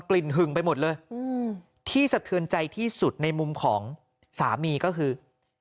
ลิ่นหึงไปหมดเลยที่สะเทือนใจที่สุดในมุมของสามีก็คือ